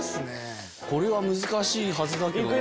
これは難しいはずだけどな。